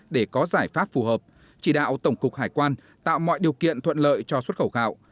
để có giải pháp phù hợp chỉ đạo tổng cục hải quan tạo mọi điều kiện thuận lợi cho xuất khẩu gạo